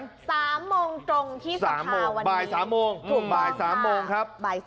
ขอบคุณครับ